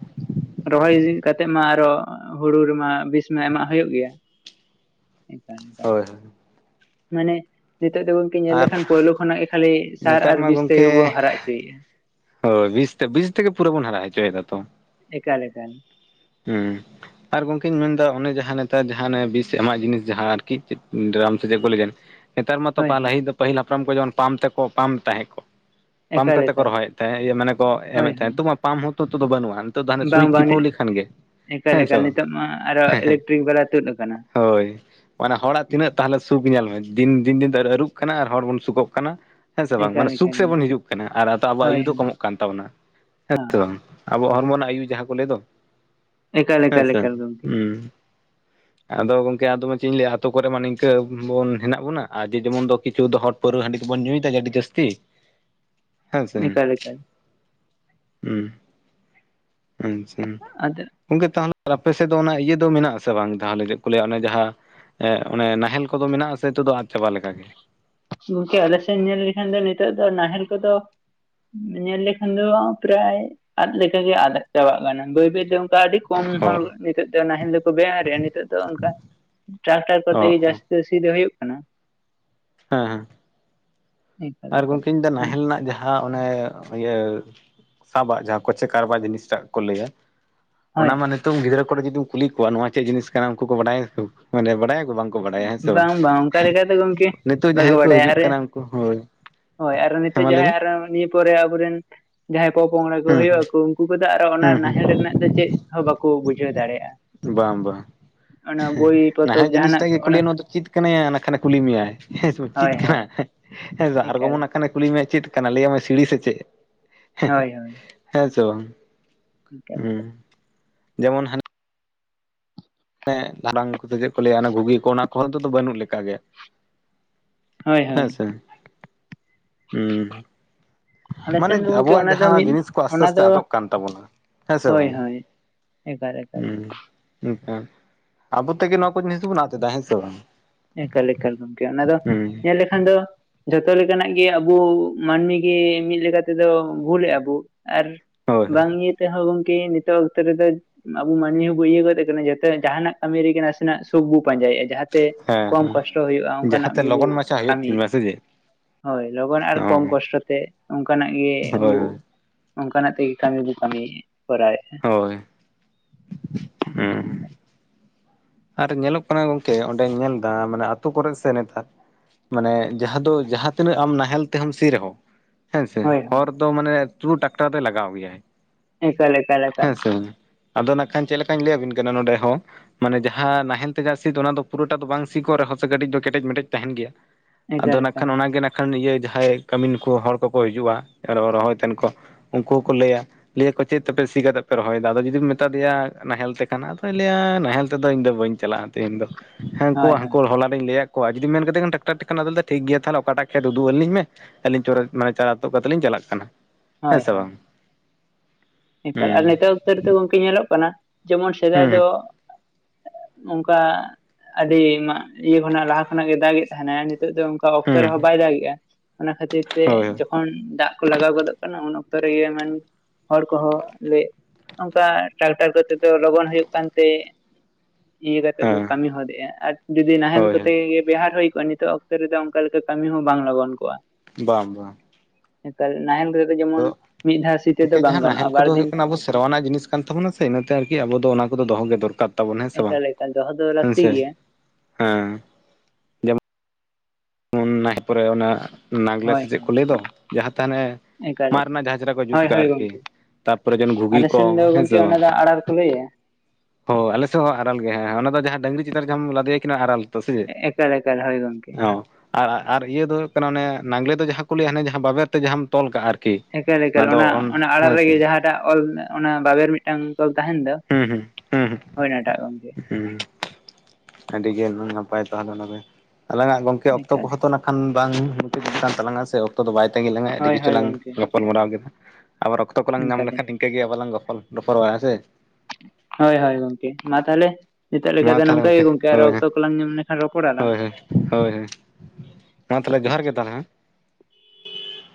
Speaker 2: ᱨᱚᱦᱚᱭ ᱦᱩᱭ ᱠᱟᱛᱮᱜ ᱢᱟ ᱟᱨᱚ ᱦᱩᱲᱩ ᱨᱮᱢᱟ ᱵᱤᱥ ᱮᱢᱟᱜ ᱦᱩᱭᱩᱜ ᱜᱮᱭᱟ
Speaker 1: ᱦᱳᱭ
Speaker 2: ᱢᱟᱱᱮ ᱱᱤᱛᱚᱜ ᱫᱚ ᱜᱚᱝᱠᱮ ᱧᱮᱞ
Speaker 1: ᱟᱨ
Speaker 2: ᱞᱮᱠᱷᱟᱱ ᱯᱳᱭᱞᱳ ᱠᱷᱚᱱᱟᱜ ᱜᱮ ᱠᱷᱟᱹᱞᱤ ᱥᱟᱨ
Speaker 1: ᱱᱮᱛᱟᱨ
Speaker 2: ᱟᱨ
Speaker 1: ᱢᱟ
Speaker 2: ᱵᱤᱥ
Speaker 1: ᱜᱚᱝᱠᱮ
Speaker 2: ᱛᱮᱜᱮ ᱵᱚ ᱦᱟᱨᱟ ᱪᱚᱭᱟ᱾
Speaker 1: ᱦᱳᱭ ᱵᱤᱥ ᱛᱮ ᱵᱤᱥ ᱛᱮᱜᱮ ᱯᱩᱨᱟᱹ ᱵᱚᱱ ᱦᱟᱨᱟ ᱦᱚᱪᱚᱭ ᱮᱫᱟ ᱛᱚ᱾
Speaker 2: ᱮᱠᱟᱞ ᱮᱠᱟᱞ᱾
Speaker 1: ᱦᱩᱸ ᱟᱨ ᱜᱚᱝᱠᱮᱧ ᱢᱮᱱ ᱮᱫᱟ ᱚᱱᱮ ᱡᱟᱦᱟᱸ ᱱᱮᱛᱟᱨ ᱡᱟᱦᱟᱸ ᱚᱱᱮ ᱵᱤᱥ ᱮᱢᱟᱜ ᱡᱤᱱᱤᱥ ᱡᱟᱦᱟᱸ ᱟᱨᱠᱤ ᱪᱮᱫ ᱰᱨᱟᱢ ᱥᱮ ᱪᱮᱜ ᱠᱚ ᱞᱟᱹᱭ ᱱᱮᱛᱟᱨ ᱢᱟᱛᱚ
Speaker 2: ᱦᱳᱭ
Speaker 1: ᱯᱟᱞ
Speaker 2: ᱦᱳᱭ
Speaker 1: ᱞᱟᱦᱤᱜ ᱫᱚ ᱯᱟᱹᱦᱤᱞ ᱦᱟᱯᱲᱟᱢ ᱠᱚ ᱡᱮᱢᱚᱱ ᱯᱟᱢ ᱛᱮᱠᱚ ᱯᱟᱢ ᱛᱟᱦᱮᱸ ᱠᱚ ᱯᱟᱢ
Speaker 2: ᱮᱠᱟᱞ
Speaker 1: ᱠᱟᱛᱮᱜ ᱠᱚ
Speaker 2: ᱮᱠᱟᱞ
Speaker 1: ᱨᱚᱦᱚᱭᱮᱜ ᱛᱟᱦᱮᱸᱜ ᱤᱭᱟᱹ ᱢᱟᱱᱮ ᱠᱚ ᱮᱢ
Speaker 2: ᱦᱳᱭ
Speaker 1: ᱮᱫ ᱛᱟᱦᱮᱸᱜ
Speaker 2: ᱦᱳᱭ
Speaker 1: ᱱᱤᱛᱚᱜ ᱢᱟ ᱯᱟᱢ ᱦᱚᱸᱛᱚ ᱱᱤᱛᱚᱜ ᱫᱚ ᱵᱟᱹᱱᱩᱜ-ᱟ᱾ ᱱᱤᱛᱚᱜ ᱫᱚ ᱦᱟᱱᱮ
Speaker 2: ᱵᱟᱝ
Speaker 1: ᱥᱩᱭᱤᱪ
Speaker 2: ᱵᱟᱝ
Speaker 1: ᱴᱤᱯᱟᱹᱣ ᱞᱮᱠᱷᱟᱱ ᱜᱮ ᱾
Speaker 2: ᱮᱠᱟᱞ ᱮᱠᱟᱞ ᱱᱤᱛᱚᱜ ᱢᱟ ᱟᱨᱚ ᱤᱞᱮᱠᱴᱨᱤᱠ ᱵᱟᱞᱟ ᱛᱩᱫ ᱟᱠᱟᱱᱟ ᱾
Speaker 1: ᱦᱳᱭ ᱢᱟᱱᱮ ᱦᱚᱲᱟᱜ ᱛᱤᱱᱟᱹᱜ ᱛᱟᱦᱚᱞᱮ ᱥᱩᱠ ᱧᱮᱞ ᱢᱮ ᱫᱤᱱ ᱫᱤᱱ ᱫᱤᱱ ᱛᱮ ᱟᱨᱩᱜ ᱠᱟᱱᱟ ᱟᱨ ᱦᱚᱲ ᱵᱚᱱ ᱥᱩᱠᱚᱜ ᱠᱟᱱᱟ ᱦᱮᱸ ᱥᱮ ᱵᱟᱝ
Speaker 2: ᱮᱠᱟᱞ
Speaker 1: ᱢᱟᱱᱮ ᱥᱩᱠ
Speaker 2: ᱮᱠᱟᱞ
Speaker 1: ᱥᱮᱫ ᱵᱚᱱ ᱦᱤᱡᱩᱜ ᱠᱟᱱᱟ ᱟᱨ ᱱᱚᱛᱮ ᱟᱵᱚᱣᱟᱜ
Speaker 2: ᱦᱳᱭ
Speaker 1: ᱟᱭᱩ ᱫᱚ
Speaker 2: ᱦᱳᱭ
Speaker 1: ᱠᱚᱢᱚᱜ ᱠᱟᱱ ᱛᱟᱵᱚᱱᱟ ᱦᱮᱸ ᱥᱮ
Speaker 2: ᱦᱳᱭ
Speaker 1: ᱵᱟᱝ? ᱟᱵᱚᱣᱟᱜ ᱦᱚᱲᱢᱚ ᱨᱮᱱᱟᱜ ᱟᱭᱩ ᱡᱟᱦᱟᱸ ᱠᱚ ᱞᱟᱹᱭ ᱫᱚ?
Speaker 2: ᱮᱠᱟᱞ
Speaker 1: ᱦᱮᱸ
Speaker 2: ᱮᱠᱟᱞ
Speaker 1: ᱥᱮ,
Speaker 2: ᱮᱠᱟᱞ ᱜᱚᱝᱠᱮ
Speaker 1: ᱦᱩᱸ ᱾ ᱟᱫᱚ ᱜᱚᱝᱠᱮ ᱟᱫᱚ ᱢᱟ ᱪᱮᱫ ᱤᱧ ᱞᱟᱹᱭᱟ ᱟᱛᱳ ᱠᱚᱨᱮ ᱢᱟ ᱱᱤᱝᱠᱟᱹ ᱵᱚᱱ ᱦᱮᱱᱟᱜ ᱵᱚᱱᱟ ᱟᱨ ᱡᱮ ᱡᱮᱢᱚᱱ ᱫᱚ ᱠᱤᱪᱷᱩ ᱫᱚ ᱦᱚᱲ ᱯᱟᱹᱣᱨᱟᱹ ᱦᱟᱸᱰᱤ ᱠᱚᱵᱚᱱ ᱧᱩᱭᱮᱫᱟ ᱡᱮ ᱟᱹᱰᱤ ᱡᱟᱹᱛᱤ ᱾
Speaker 2: [unintelligible]
Speaker 1: ᱦᱮᱸ ᱥᱮᱸ
Speaker 2: ᱮᱠᱟᱞ ᱮᱠᱟᱞ
Speaker 1: ᱾ ᱦᱩᱸ ᱟᱪᱪᱷᱟ ᱾
Speaker 2: ᱟᱫᱚ
Speaker 1: ᱜᱚᱝᱠᱮ ᱛᱟᱦᱚᱞᱮ ᱟᱯᱮ ᱥᱮᱫ ᱫᱚ ᱚᱱᱟ ᱤᱭᱟᱹ ᱫᱚ ᱢᱮᱱᱟᱜ ᱟᱥᱮ ᱵᱟᱝ ᱛᱟᱦᱚᱞᱮ ᱪᱮᱫ ᱠᱚ ᱞᱟᱹᱭᱟ ᱚᱱᱮ ᱡᱟᱦᱟᱸ ᱮᱸᱜ ᱚᱱᱮ ᱱᱟᱦᱮᱞ ᱠᱚᱫᱚ ᱢᱮᱱᱟᱜᱼᱟ ᱥᱮ ᱱᱤᱛᱚᱜ ᱫᱚ ᱟᱫ ᱪᱟᱵᱟ ᱞᱮ ᱞᱮᱠᱟ ᱜᱮ?
Speaker 2: ᱜᱚᱝᱠᱮ ᱟᱞᱮ ᱥᱮᱫ ᱧᱮᱞ ᱞᱮᱠᱷᱟᱱ ᱫᱚ ᱱᱤᱛᱚᱜ ᱫᱚ ᱱᱟᱦᱮᱞ ᱠᱚᱫᱚ ᱧᱮᱞ ᱞᱮᱠᱷᱟᱱ ᱫᱚ ᱯᱨᱟᱭ ᱟᱫ ᱞᱮᱠᱟ ᱜᱮ ᱟᱫ ᱪᱟᱵᱟᱜ ᱠᱟᱱᱟ, ᱵᱟᱹᱭ ᱵᱟᱹᱭᱛᱮ ᱚᱱᱠᱟ ᱟᱹᱰᱤ ᱠᱚᱢ
Speaker 1: ᱚ
Speaker 2: ᱦᱚᱲ ᱱᱤᱛ ᱱᱤᱛᱚᱜ ᱫᱚ ᱱᱟᱦᱮᱞ ᱫᱚ ᱠᱚ ᱵᱮᱣᱟᱨᱮᱜᱼᱟ ᱱᱤᱛᱚᱜ ᱫᱚ ᱚᱱᱠᱟ ᱴᱨᱟᱠᱴᱟᱨ ᱠᱚᱛᱮ
Speaker 1: ᱚ
Speaker 2: ᱜᱮ ᱡᱟᱹᱥᱛᱤ ᱥᱤ ᱫᱚ ᱦᱩᱭᱩᱜ ᱠᱟᱱᱟ ᱾
Speaker 1: ᱦᱮᱸ ᱦᱮᱸ ᱾
Speaker 2: ᱮᱠᱟᱞ
Speaker 1: ᱟᱨ
Speaker 2: ᱮᱠᱟᱞ
Speaker 1: ᱜᱚᱢᱠᱮᱧ ᱢᱮᱱᱫᱟ ᱱᱟᱦᱮᱞ ᱨᱮᱱᱟᱜ ᱡᱟᱦᱟᱸ ᱡᱟᱦᱟᱸ ᱚᱱᱮ ᱤᱭᱟᱹ ᱥᱟᱵ ᱟᱜ ᱡᱟᱦᱟᱸ ᱠᱚᱪᱮ ᱠᱟᱨᱵᱟ ᱡᱤᱱᱤᱥᱴᱟᱜ ᱠᱚ ᱞᱟᱹᱭᱟ
Speaker 2: ᱦᱳᱭ
Speaker 1: ᱚᱱᱟ ᱢᱟ
Speaker 2: ᱦᱳᱭ
Speaker 1: ᱱᱤᱛᱚᱝ ᱜᱤᱫᱽᱨᱟᱹ ᱠᱚᱨᱮ ᱡᱩᱫᱤᱢ ᱠᱩᱞᱤ ᱠᱚᱣᱟ ᱱᱚᱣᱟ ᱪᱮᱫ ᱡᱤᱱᱤᱥ ᱠᱟᱱᱟ ᱩᱱᱠᱩ ᱠᱚ ᱵᱟᱰᱟᱭᱟᱠᱚ? ᱢᱟᱱᱮ ᱵᱟᱰᱟᱭᱟᱠᱚ ᱵᱟᱝ ᱵᱟᱰᱟᱭᱟ ᱦᱮᱸ ᱥᱮ ᱵᱟᱝ?
Speaker 2: ᱚᱱᱠᱟ ᱞᱮᱠᱟ ᱫᱚ ᱜᱚᱝᱠᱮ
Speaker 1: ᱱᱤᱛᱚᱜ
Speaker 2: ᱵᱟᱠᱚ
Speaker 1: ᱡᱟᱦᱟᱸᱭ ᱠᱚ
Speaker 2: ᱵᱟᱰᱟᱭᱟ
Speaker 1: ᱦᱤᱡᱩᱜ
Speaker 2: ᱟᱨ
Speaker 1: ᱠᱟᱱᱟ ᱩᱱᱠᱩ ᱦᱳᱭ
Speaker 2: ᱦᱳᱭ ᱟᱨᱚ
Speaker 1: ᱦᱮᱸ
Speaker 2: ᱱᱤᱛᱚᱜ
Speaker 1: ᱢᱟ ᱞᱟᱹᱭ
Speaker 2: ᱡᱟᱦᱟᱸᱭ
Speaker 1: ᱢᱮ
Speaker 2: ᱟᱨᱚ ᱱᱤᱭᱟᱹ ᱯᱚᱨᱮ ᱟᱵᱚᱨᱮᱱ ᱡᱟᱦᱟᱸᱭ ᱯᱚᱯᱚᱝᱲᱟ ᱠᱚ
Speaker 1: ᱦᱩᱸ
Speaker 2: ᱦᱩᱭᱩᱜ
Speaker 1: ᱦᱩᱸ
Speaker 2: ᱟᱠᱚ ᱩᱱᱠᱩ ᱠᱚᱫᱚ ᱟᱨᱚ ᱚᱱᱟ
Speaker 1: ᱦᱩᱸ
Speaker 2: ᱱᱟᱦᱮᱞ
Speaker 1: ᱦᱩᱸ
Speaker 2: ᱨᱮᱱᱟᱜ ᱫᱚ ᱪᱮᱫ ᱦᱚᱸ ᱵᱟᱠᱚ ᱵᱩᱡᱷᱟᱹᱣ ᱫᱟᱲᱮᱭᱟᱜᱼᱟ ᱾
Speaker 1: ᱵᱟᱝ ᱵᱟᱝ, [unintelligible]
Speaker 2: ᱯᱚᱛᱚᱵ
Speaker 1: ᱱᱟᱦᱟᱜ ᱡᱤᱱᱤᱥ
Speaker 2: ᱡᱟᱦᱟᱱᱟᱜ
Speaker 1: ᱴᱟᱜ ᱠᱩ
Speaker 2: ᱚᱱᱟ
Speaker 1: ᱞᱟᱹᱭᱟ ᱱᱚᱣᱟ ᱫᱚ ᱪᱮᱫ ᱠᱟᱱᱟ ᱭᱟ ᱱᱟᱠᱷᱟᱱᱮ ᱠᱩᱞᱤ ᱢᱮᱟᱭ ᱦᱮᱸ ᱪᱮ ᱵᱟᱝ ᱪᱮᱫ
Speaker 2: ᱦᱳᱭ
Speaker 1: ᱠᱟᱱᱟ
Speaker 2: ᱦᱳᱭ
Speaker 1: ᱦᱮᱸᱥᱮ ᱟᱨᱜᱚᱢ
Speaker 2: ᱮᱠᱟᱞ
Speaker 1: ᱦᱚᱸ
Speaker 2: ᱮᱠᱟᱞ
Speaker 1: ᱱᱟᱠᱷᱟᱱᱮ ᱠᱩᱞᱤ ᱢᱮ ᱪᱮᱫ ᱠᱟᱱᱟ ᱞᱟᱹᱭ ᱟᱢᱭ ᱥᱤᱲᱤ ᱥᱮ ᱪᱮᱫ?
Speaker 2: ᱦᱳᱭ ᱦᱳᱭ
Speaker 1: ᱦᱮᱸ ᱥᱮ ᱵᱟᱝ?
Speaker 2: ᱮᱠᱟᱞ ᱮᱠᱟᱞ
Speaker 1: ᱦᱩᱸ ᱡᱮᱢᱚᱱ ᱦᱟ ᱚᱱᱮ ᱫᱷᱟᱲᱟᱱ ᱠᱚᱥᱮ ᱪᱮᱫ ᱠᱚ ᱞᱟᱹᱭᱟ ᱚᱱᱟ ᱜᱷᱩᱜᱤ ᱠᱚ ᱚᱱᱟ ᱠᱚ ᱦᱚᱸ ᱛᱚ ᱱᱤᱛᱚᱜ ᱫᱚ ᱵᱟᱹᱱᱩᱜ ᱞᱮᱠᱟ ᱜᱮ ᱾
Speaker 2: ᱦᱳᱭ ᱦᱳᱭ
Speaker 1: ᱦᱮᱸ ᱥᱮ? ᱦᱩᱸ ᱾
Speaker 2: ᱟᱞᱮ ᱥᱮᱱ ᱫᱚ ᱜᱚᱢᱠᱮ ᱚᱱᱟ ᱫᱚ ᱢᱤᱫ
Speaker 1: ᱡᱤᱱᱤᱥ ᱠᱚ ᱟᱥᱛᱮ
Speaker 2: ᱚᱱᱟ
Speaker 1: ᱟᱥᱛᱮ
Speaker 2: ᱫᱚ,
Speaker 1: ᱟᱫᱚᱜ ᱠᱟᱱ ᱛᱟᱵᱚᱱᱟ ᱦᱮᱸ ᱥᱮ
Speaker 2: ᱦᱳᱭ
Speaker 1: ᱵᱟᱝ
Speaker 2: ᱦᱳᱭ ᱾ ᱮᱠᱟᱞ ᱮᱠᱟᱞ ᱾
Speaker 1: ᱮᱠᱟᱞ ᱟᱵᱩ ᱛᱮᱜᱮ ᱱᱚᱣᱟ ᱠᱚ ᱡᱤᱱᱤᱥ ᱫᱚᱵᱚᱱ ᱟᱫ ᱮᱫᱟ ᱦᱮᱸ ᱥᱮ ᱵᱟᱝ?
Speaker 2: ᱮᱠᱟᱞ ᱮᱠᱟᱞ ᱜᱚᱝᱠᱮ ᱚᱱᱟ ᱫᱚ
Speaker 1: ᱦᱩᱸ
Speaker 2: ᱧᱮᱞ ᱞᱮᱠᱷᱟᱱ ᱫᱚ ᱡᱷᱚᱛᱚ ᱞᱮᱠᱟᱱᱟᱜ ᱜᱮ ᱟᱵᱚ ᱢᱟᱹᱱᱢᱤ ᱜᱮ ᱢᱤᱫ ᱞᱮᱠᱟ ᱛᱮᱫᱚ ᱵᱷᱩᱞᱮᱫ-ᱟ ᱵᱚ ᱟᱨ
Speaker 1: ᱦᱳᱭ ᱦᱳᱭ
Speaker 2: ᱵᱟᱝ ᱤᱭᱟᱹ ᱛᱮᱦᱚᱸ ᱜᱚᱝᱠᱮ ᱱᱤᱛᱚᱜ ᱚᱠᱛᱚ ᱨᱮᱫᱚ ᱟᱵᱚ ᱢᱟᱹᱱᱢᱤ ᱦᱚᱸᱵᱚ ᱤᱭᱟᱹ ᱜᱚᱫ ᱠᱟᱱᱟ ᱡᱟᱛᱮ ᱡᱟᱦᱟᱱᱟᱜ ᱠᱟᱹᱢᱤ ᱨᱮᱜᱮ ᱱᱟᱥᱮᱱᱟᱜ ᱥᱩᱠ ᱵᱚ ᱯᱟᱸᱡᱟᱭᱮᱫᱼᱟ ᱡᱟᱦᱟᱸ ᱛᱮ
Speaker 1: ᱦᱮᱸ
Speaker 2: ᱠᱚᱢ
Speaker 1: ᱦᱮᱸ
Speaker 2: ᱠᱚᱥᱴᱚ ᱦᱩᱭᱩᱜᱼᱟ ᱚᱱᱠᱟᱱᱟᱜ
Speaker 1: ᱡᱟᱦᱟᱸᱛᱮ
Speaker 2: ᱜᱮᱵᱚ
Speaker 1: ᱞᱚᱜᱚᱱ ᱢᱟᱪᱷᱟ ᱦᱩᱭᱩᱜ ᱛᱤᱧ
Speaker 2: ᱠᱟᱹᱢᱤ
Speaker 1: ᱢᱟ ᱥᱮ ᱪᱮᱫ
Speaker 2: ᱦᱳᱭ ᱞᱚᱜᱚᱱ ᱟᱨ ᱠᱚᱢ
Speaker 1: ᱦᱳᱭ
Speaker 2: ᱠᱚᱥᱴᱚ ᱛᱮ ᱚᱱᱠᱟᱱᱟᱜ ᱜᱮ ᱵᱚ
Speaker 1: ᱦᱳᱭ
Speaker 2: ᱚᱱᱠᱟᱱᱟᱜ ᱛᱮᱜᱮ ᱠᱟᱹᱢᱤ ᱵᱚ ᱠᱟᱹᱢᱤ ᱠᱚᱨᱟᱣᱮᱫ ᱾
Speaker 1: ᱦᱳᱭ
Speaker 2: [unintelligible]
Speaker 1: ᱦᱩᱸ ᱟᱨ ᱧᱮᱞᱚᱜ ᱠᱟᱱᱟ ᱜᱚᱝᱠᱮ ᱚᱸᱰᱮᱧ ᱧᱮᱞ ᱮᱫᱟ ᱢᱟᱱᱮ ᱟᱹᱛᱳ ᱠᱚᱨᱮᱜ ᱥᱮ ᱱᱮᱛᱟᱨ ᱢᱟᱱᱮ ᱡᱟᱦᱟᱸ ᱫᱚ ᱡᱟᱦᱟᱸ ᱛᱤᱱᱟᱹᱜ ᱟᱢ ᱱᱟᱦᱮᱞ ᱛᱮᱦᱚᱢ ᱥᱤ ᱨᱮᱦᱚᱸ ᱦᱮᱸᱥᱮ
Speaker 2: ᱦᱳᱭ ᱦᱳᱭ
Speaker 1: ᱦᱚᱨ ᱫᱚ ᱢᱟᱱᱮ ᱛᱩᱨᱩ ᱴᱟᱠᱴᱟᱨ ᱫᱚᱭ ᱞᱟᱜᱟᱣ ᱜᱮᱭᱟᱭ ᱾
Speaker 2: ᱮᱠᱟᱞ ᱮᱠᱟᱞ ᱮᱠᱟᱞ ᱾
Speaker 1: ᱟᱫᱚ ᱱᱟᱜ ᱠᱷᱟᱱ ᱪᱮᱫ ᱞᱮᱠᱟᱧ ᱞᱟᱹᱭ ᱟᱵᱤᱱ ᱠᱟᱱᱟ ᱱᱚᱸᱰᱮ ᱦᱚᱸ ᱢᱟᱱᱮ ᱡᱟᱦᱟ ᱱᱟᱦᱮᱞ ᱛᱮ ᱡᱟᱦᱟ ᱥᱤᱜ ᱫᱚ ᱚᱱᱟ ᱫᱚ ᱯᱩᱨᱟᱹ ᱴᱟᱜ ᱫᱚ ᱵᱟᱝ ᱥᱤᱠᱚᱜ ᱨᱮᱦᱚᱸ ᱥᱮ ᱠᱟᱹᱴᱤᱡ ᱫᱚ ᱠᱮᱴᱮᱡ ᱢᱮᱴᱮᱡ ᱫᱚ ᱛᱟᱦᱮᱱ ᱜᱮᱭᱟ᱾
Speaker 2: ᱮᱠᱟᱞ
Speaker 1: ᱟᱫᱚ ᱱᱟᱜ
Speaker 2: ᱮᱠᱟᱞ
Speaker 1: ᱠᱷᱟᱱ ᱚᱱᱟ ᱜᱮ ᱱᱟᱜ ᱠᱷᱟᱱ ᱤᱭᱟᱹ ᱡᱟᱦᱟᱭ ᱠᱟᱹᱢᱤᱱ ᱠᱚ ᱦᱚᱲ ᱠᱚᱠᱚ ᱦᱤᱡᱩᱜ-ᱟ ᱨᱚᱦᱚᱭ ᱛᱟᱦᱮᱱ ᱠᱚ᱾ ᱩᱱᱠᱩ ᱦᱚᱸᱠᱚ ᱞᱟᱹᱭ-ᱟ᱾ ᱞᱟᱹᱭ ᱟᱠᱚ ᱪᱮᱫ ᱛᱟᱯᱮ ᱥᱤ ᱠᱟᱛᱮ ᱯᱮ ᱨᱚᱦᱚᱭ ᱫᱟ ᱟᱫᱚ ᱡᱩᱫᱤ ᱢᱮᱛᱟ ᱫᱮᱭᱟ ᱱᱟᱦᱮᱞ ᱛᱮ ᱠᱟᱱ ᱟᱫᱚᱭ ᱞᱟᱹᱭ-ᱟ ᱱᱟᱦᱮᱞ ᱛᱮᱫᱚ ᱤᱧ ᱫᱚ ᱵᱟᱹᱧ ᱪᱟᱞᱟᱜ-ᱟ᱾ ᱛᱮᱦᱮᱧ ᱫᱚ ᱦᱟᱱᱠᱩ,
Speaker 2: ᱦᱳᱭ ᱦᱳᱭ
Speaker 1: ᱦᱟᱱᱠᱩ ᱦᱚᱞᱟ ᱨᱤᱧ ᱞᱟᱹᱭ ᱟᱫ ᱠᱚᱣᱟ ᱡᱩᱫᱤ ᱢᱮᱱ ᱠᱮᱫᱮ ᱠᱷᱟᱱ ᱴᱟᱠᱴᱟᱨ ᱛᱮᱠᱷᱟᱱ ᱚᱫᱟ ᱞᱟᱹᱭ ᱴᱷᱤᱠ ᱜᱮᱭᱟ ᱛᱟᱦᱞᱮ ᱚᱠᱟ ᱴᱟᱜ ᱠᱷᱮᱛ ᱩᱫᱩᱜ ᱟᱹᱞᱤᱧ ᱢᱮ᱾ ᱟᱹᱞᱤᱧ ᱪᱚᱨᱟ ᱢᱟᱱᱮ ᱪᱟᱨᱟ ᱛᱩᱜ ᱠᱟᱛᱮᱜ ᱞᱤᱧ ᱪᱟᱞᱟᱜ ᱠᱟᱱᱟ ᱦᱮᱸ ᱥᱮ ᱵᱟᱝ᱾
Speaker 2: ᱱᱮᱛᱟᱨ
Speaker 1: ᱦᱩᱸ
Speaker 2: ᱟᱨ ᱱᱮᱛᱟᱨ ᱚᱠᱛᱚ ᱨᱮᱫᱚ ᱜᱚᱝᱠᱮ ᱧᱮᱞᱚᱜ ᱠᱟᱱᱟ᱾ ᱡᱮᱢᱚᱱ ᱥᱮᱫᱟᱭ
Speaker 1: ᱦᱩᱸ
Speaker 2: ᱫᱚ ᱚᱱᱠᱟ ᱟᱹᱰᱤ ᱤᱭᱟᱹ ᱠᱷᱚᱱᱟᱜ ᱞᱟᱦᱟ ᱠᱷᱚᱱᱟᱜ ᱜᱮ ᱫᱟᱜ ᱜᱮᱜ ᱛᱟᱦᱮᱱᱟ ᱟᱨ ᱱᱤᱛᱚᱜ ᱫᱚ ᱚᱱᱠᱟ ᱚᱠᱛᱚ ᱨᱮᱦᱚᱸ
Speaker 1: ᱦᱩᱸ
Speaker 2: ᱵᱟᱭ ᱫᱟᱜ ᱮᱜᱼᱟ ᱚᱱᱟ ᱠᱷᱟᱹᱛᱤᱨ ᱛᱮ
Speaker 1: ᱦᱳᱭ ᱦᱳᱭ
Speaker 2: ᱡᱚᱠᱷᱚᱱ ᱫᱟᱜ ᱠᱚ ᱞᱟᱜᱟᱣ ᱜᱚᱫᱚᱜ ᱠᱟᱱᱟ ᱩᱱ ᱚᱠᱛᱚ ᱨᱮᱜᱮ ᱢᱮᱱ ᱠᱚᱦᱚᱸ ᱞᱮ ᱚᱱᱠᱟ ᱴᱨᱟᱠᱴᱟᱨ ᱠᱚᱛᱮ ᱫᱚ ᱞᱚᱜᱚᱱ ᱦᱳᱭᱳᱜ ᱠᱟᱱᱛᱮ ᱤᱭᱟᱹ ᱠᱟᱛᱮᱫ ᱠᱚ
Speaker 1: ᱦᱮᱸ
Speaker 2: ᱠᱟᱹᱢᱤ ᱦᱚᱫᱮᱜ-ᱟ ᱟᱨ ᱡᱩᱫᱤ ᱱᱟᱦᱮᱞ
Speaker 1: ᱦᱳᱭ
Speaker 2: ᱠᱚᱛᱮ
Speaker 1: ᱦᱳᱭ
Speaker 2: ᱜᱮ ᱵᱮᱣᱦᱟᱨ ᱦᱩᱭ ᱠᱚᱜ-ᱟ ᱱᱤᱛᱚᱜ ᱚᱠ ᱛᱚ ᱨᱮᱫᱚ ᱚᱱᱠᱟ ᱞᱮᱠᱟ ᱠᱟᱹᱢᱤ ᱦᱚᱸ ᱵᱟᱝ ᱞᱚᱜᱚᱱ ᱠᱚᱜ-ᱟ᱾
Speaker 1: ᱵᱟᱝ, ᱵᱟᱝ᱾
Speaker 2: ᱦᱮᱸᱛᱮᱟᱨ ᱱᱟᱦᱮᱞ ᱨᱮᱫᱚ ᱡᱮᱢᱚᱱ
Speaker 1: ᱟᱫᱚ
Speaker 2: ᱢᱤᱫ ᱫᱷᱟᱣ ᱥᱤ ᱛᱮᱫᱚ
Speaker 1: ᱜᱚᱝᱠᱮ
Speaker 2: ᱵᱟᱝ
Speaker 1: ᱡᱟᱦᱟᱸ
Speaker 2: ᱜᱟᱱᱚᱜ
Speaker 1: ᱱᱟᱦᱮᱞ ᱠᱚᱫᱚ ᱦᱳᱭᱳᱜ ᱠᱟᱱᱟ ᱟᱵᱚ ᱥᱮᱨᱣᱟ ᱨᱮᱱᱟᱜ ᱡᱤᱱᱤᱥ ᱠᱟᱱ ᱛᱟᱵᱚᱱᱟ ᱥᱮ ᱤᱱᱟᱹ ᱛᱮ ᱟᱨᱠᱤ ᱟᱵᱚ ᱫᱚ ᱚᱱᱟ ᱫᱚ ᱜᱮ ᱫᱚᱨᱠᱟᱨ ᱛᱟᱵᱚᱱ ᱦᱮᱸ ᱥᱮ ᱵᱟᱝ
Speaker 2: ᱮᱠᱟᱞ ᱮᱠᱟᱞ ᱫᱚᱦᱚ ᱫᱚ ᱞᱟᱹᱠᱛᱤ
Speaker 1: ᱦᱮᱸᱥᱮ
Speaker 2: ᱜᱮᱭᱟ
Speaker 1: ᱦᱮᱸ᱾ ᱯᱩᱱ ᱱᱟᱦᱤ ᱯᱚᱨᱮ ᱚᱱᱟ ᱱᱟᱜᱽᱞᱮ ᱥᱮ
Speaker 2: ᱦᱳᱭ
Speaker 1: ᱪᱮᱫ
Speaker 2: ᱦᱳᱭ
Speaker 1: ᱠᱚ ᱞᱟᱹᱭ ᱫᱚ ᱡᱟᱦᱟ ᱛᱮ ᱦᱟᱱᱮ
Speaker 2: ᱮᱠᱟᱞ
Speaker 1: ᱢᱟᱫᱽ
Speaker 2: ᱮᱠᱟᱞ
Speaker 1: ᱨᱮᱱᱟᱜ ᱡᱟᱦᱟ ᱪᱮᱨᱦᱟ ᱠᱚ ᱡᱩᱛ
Speaker 2: ᱦᱳᱭ
Speaker 1: ᱠᱟᱜ
Speaker 2: ᱦᱳᱭ
Speaker 1: ᱟᱨᱠᱤ᱾
Speaker 2: ᱜᱚᱢᱠᱮ
Speaker 1: ᱛᱟᱯᱚᱨ ᱡᱮᱱ ᱜᱷᱩᱜᱤ
Speaker 2: ᱟᱞᱮᱥᱮᱱ
Speaker 1: ᱠᱚ
Speaker 2: ᱫᱚ
Speaker 1: ᱦᱮᱸ
Speaker 2: ᱜᱚᱢᱠᱮ
Speaker 1: ᱥᱮ
Speaker 2: ᱚᱱᱟ
Speaker 1: ᱵᱟᱝ?
Speaker 2: ᱫᱚ ᱟᱲᱟᱨ ᱠᱚ ᱞᱟᱹᱭᱟ
Speaker 1: ᱦᱳ ᱟᱞᱮ ᱥᱮᱜ ᱦᱚᱸ ᱟᱨᱟᱞ ᱛᱮ ᱦᱮᱸ ᱚᱱᱟ ᱫᱚ ᱡᱟᱦᱟ ᱰᱟᱹᱝᱨᱤ ᱪᱮᱛᱟᱱ ᱡᱟᱦᱟ ᱟᱢ ᱞᱟᱫᱮᱭᱟ ᱠᱤᱱᱟ ᱟᱨᱟᱞ ᱛᱚ ᱥᱮ
Speaker 2: ᱮᱠᱟᱞ ᱮᱠᱟᱞ ᱦᱳᱭ ᱜᱚᱢᱠᱮ
Speaker 1: ᱪᱮᱫ ᱚ᱾ ᱟᱨ ᱟᱨ ᱤᱭᱟᱹ ᱫᱚ ᱦᱩᱭᱩᱜ ᱠᱟᱱᱟ ᱚᱱᱮ ᱱᱟᱜᱽᱞᱮ ᱫᱚ ᱡᱟᱦᱟ ᱠᱚ ᱞᱟᱹᱭ-ᱟ ᱦᱟᱱᱮ ᱡᱟᱦᱟ ᱵᱟᱵᱮᱨ ᱛᱮ ᱡᱟᱦᱟᱢᱼᱼ ᱛᱚᱞ ᱠᱟᱜ ᱟᱨᱠᱤ᱾
Speaker 2: ᱮᱠᱟᱞ, ᱮᱠᱟᱞ
Speaker 1: ᱫᱚ
Speaker 2: ᱚᱱᱟ
Speaker 1: ᱚᱱ
Speaker 2: ᱚᱱᱟ ᱟᱨᱟᱲ
Speaker 1: ᱦᱮᱸ ᱥᱮ
Speaker 2: ᱨᱮᱜᱮ ᱡᱟᱦᱟ ᱴᱟᱜ ᱚᱞ ᱚᱱᱟ ᱵᱟᱵᱮᱨ ᱢᱤᱫᱴᱟᱝ ᱛᱚᱞ ᱛᱟᱦᱮᱱ ᱫᱚ
Speaker 1: ᱦᱩᱸ, ᱦᱩᱸ, ᱦᱩᱸ,
Speaker 2: ᱦᱳᱭ ᱚᱱᱟᱴᱟᱜ ᱜᱚᱢᱠᱮ
Speaker 1: ᱦᱩᱸ, ᱦᱩᱸ᱾ ᱟᱹᱰᱤ ᱜᱮ ᱱᱟᱯᱟᱭ ᱛᱟᱦᱞᱮ ᱚᱱᱟ ᱜᱮ ᱟᱞᱟᱝ ᱟᱜ ᱜᱚᱝᱠᱮ ᱚᱠᱛᱚ
Speaker 2: ᱮᱠᱟᱞ
Speaker 1: ᱠᱚᱦᱚᱸ ᱛᱚ ᱱᱟ ᱠᱷᱟᱱ ᱵᱟᱝ ᱢᱩᱪᱟᱹᱫ ᱠᱟᱱ ᱛᱟᱞᱟᱝᱟ ᱥᱮ ᱚᱠᱛᱚ ᱫᱚ ᱵᱟᱭ ᱛᱟᱸᱜᱤ ᱞᱟᱝᱟ ᱟᱹᱰᱤ
Speaker 2: ᱦᱳᱭ
Speaker 1: ᱠᱤᱪᱷᱩ
Speaker 2: ᱦᱳᱭ
Speaker 1: ᱞᱟᱝ
Speaker 2: ᱜᱚᱢᱠᱮ
Speaker 1: ᱜᱟᱯᱟᱞ ᱢᱟᱨᱟᱣ ᱠᱮᱫᱟ᱾ ᱟᱵᱟᱨ ᱚᱠᱛᱚ ᱠᱚ ᱞᱟᱝ ᱧᱟᱢ ᱞᱮᱠᱷᱟᱱ ᱱᱤᱝᱠᱟᱹ ᱜᱮ ᱟᱵᱟᱨ ᱞᱟᱝ ᱜᱚᱯᱚᱞ ᱨᱚᱯᱚᱲ ᱚᱜ-ᱟ ᱦᱮᱸ ᱥᱮ᱾
Speaker 2: ᱦᱳᱭ, ᱦᱳᱭ ᱜᱚᱝᱠᱮ ᱢᱟ ᱛᱟᱦᱞᱮ ᱱᱤᱛᱚᱜ ᱞᱮᱠᱟ
Speaker 1: ᱢᱟ
Speaker 2: ᱫᱚ
Speaker 1: ᱛᱟᱦᱚᱞᱮ
Speaker 2: ᱱᱚᱝᱠᱟ ᱜᱮ ᱜᱚᱝᱠᱮ ᱟᱨᱚ
Speaker 1: ᱦᱳᱭ
Speaker 2: ᱚᱠᱛᱚ ᱠᱚ ᱞᱟᱝ ᱧᱩᱢ ᱞᱮᱠᱷᱟᱱ ᱨᱚᱯᱚᱲ ᱟᱞᱟᱝ᱾
Speaker 1: ᱦᱳᱭ, ᱦᱳᱭ ᱢᱟ ᱛᱟᱞᱦᱮ ᱡᱚᱦᱟᱨ ᱜᱮ ᱛᱟᱞᱦᱮ ᱦᱮᱸ᱾